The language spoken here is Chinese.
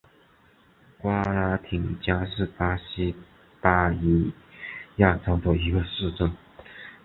瓜拉廷加是巴西巴伊亚州的一个市镇。